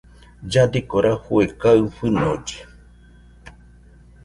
Lladiko rafue kaɨ fɨnolle.